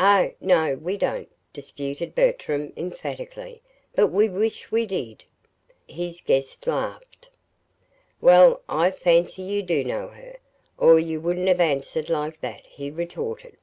"Oh, no, we don't," disputed Bertram, emphatically. "But we WISH we did!" His guest laughed. "Well, I fancy you DO know her, or you wouldn't have answered like that," he retorted.